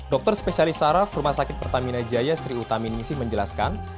dokter spesialis sara firmasakit pertamina jaya sri utaminisi menjelaskan